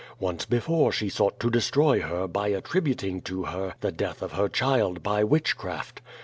Once before she sought to destroy her by attributing to her the death of her child by witchcraft.